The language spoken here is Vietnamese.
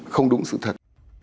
không đúng sự thật